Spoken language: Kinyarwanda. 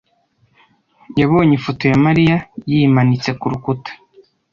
yabonye ifoto ya Mariya yimanitse ku rukuta.